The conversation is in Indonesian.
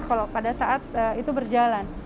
kalau pada saat itu berjalan